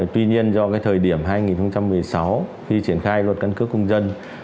tuy nhiên do thời điểm hai nghìn một mươi sáu khi triển khai luật căn cước công dân